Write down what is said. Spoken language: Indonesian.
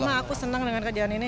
ma aku seneng dengan kejadian ini